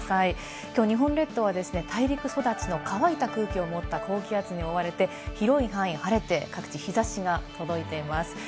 日本列島は大陸育ちの乾いた空気を持った高気圧に覆われて広い範囲、晴れて各地日差しが届いています。